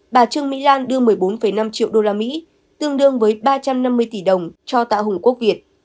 bà trương mỹ lan đưa một mươi bốn năm triệu usd tương đương với ba trăm năm mươi tỷ đồng cho tạ hùng quốc việt